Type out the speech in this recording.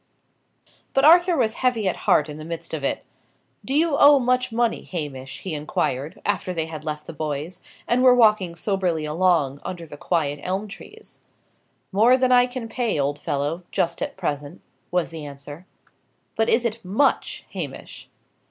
But Arthur was heavy at heart in the midst of it. "Do you owe much money, Hamish?" he inquired, after they had left the boys, and were walking soberly along, under the quiet elm trees. "More than I can pay, old fellow, just at present," was the answer. "But is it much, Hamish?"